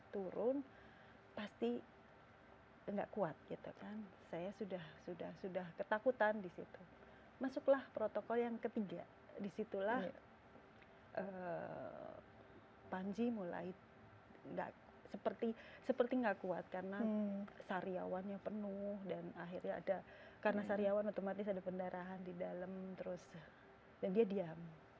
turun pasti gak kuat gitu kan saya sudah sudah sudah ketakutan disitu masuklah protokol yang ketiga disitulah panci mulai seperti seperti gak kuat karena sariawan yang penuh dan akhirnya ada karena sariawan otomatis ada pendarahan di dalem terus dia diam